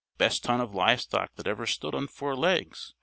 "Best ton of livestock that ever stood on four legs.